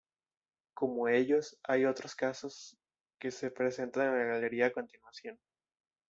Como ellos hay otros casos que se presentan en la galería a continuación.